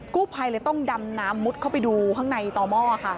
กู้ภัยเลยต้องดำน้ำมุดเข้าไปดูข้างในต่อหม้อค่ะ